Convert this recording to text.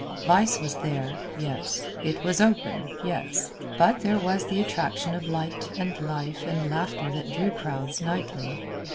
Vice was there yes. It was open yes. But there was the attraction of light and life and laughter that drew crowds nightly.